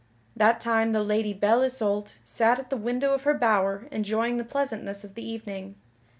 That time the Lady Belle Isoult sat at the window of her bower enjoying the pleasantness of the evening.